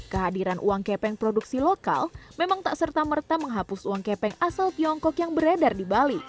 kehadiran uang kepeng produksi lokal memang tak serta merta menghapus uang kepeng asal tiongkok yang beredar di bali